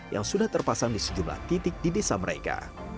yang sudah terpasang di sejumlah titik di desa mereka